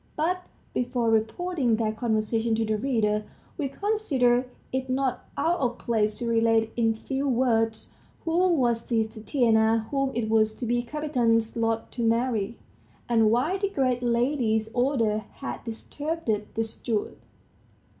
.. But before reporting their conversation to the reader, we consider it not out of place to relate in few words who was this Tatiana, whom it was to be Kapiton's lot to marry, and why the great lady's order had disturbed the steward.